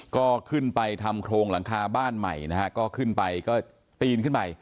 ก็ขึ้นไปทำโครงหลังคาบ้านใหม่นะฮะก็ขึ้นไปก็ปีนขึ้นไป